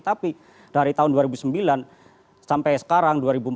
tapi dari tahun dua ribu sembilan sampai sekarang dua ribu empat belas